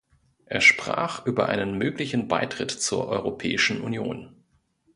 Er sprach über einen möglichen Beitritt zur Europäischen Union.